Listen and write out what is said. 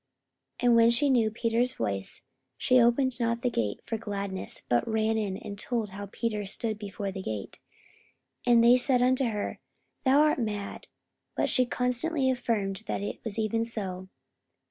44:012:014 And when she knew Peter's voice, she opened not the gate for gladness, but ran in, and told how Peter stood before the gate. 44:012:015 And they said unto her, Thou art mad. But she constantly affirmed that it was even so.